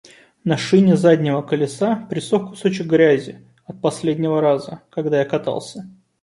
На шине заднего колеса присох кусочек грязи — от последнего раза, когда я катался.